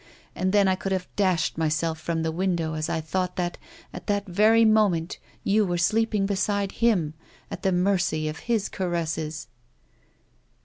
And then I could have dashed myself from the window, as I thought that, at that very moment, you were sleeping beside him, at the mercy of liis caresses."